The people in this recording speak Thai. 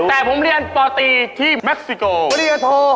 แต่ผมเรียนปฏิที่เม็กซิโก้